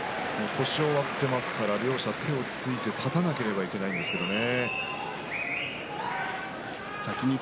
腰を割っていますから両者手をついて立たなくてはいけないんですけどね。